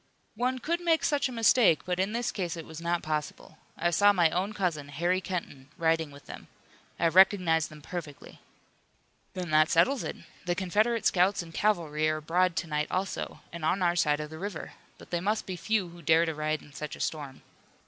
"One could make such a mistake, but in this case it was not possible. I saw my own cousin, Harry Kenton, riding with them. I recognized them perfectly." "Then that settles it. The Confederate scouts and cavalry are abroad to night also, and on our side of the river. But they must be few who dare to ride in such a storm."